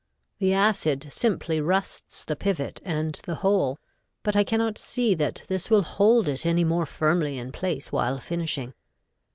The acid simply rusts the pivot and the hole, but I cannot see that this will hold it any more firmly in place while finishing.